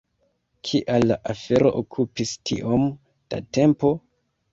Kial la afero okupis tiom da tempo?